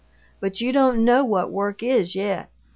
But you don't know what work is, yet.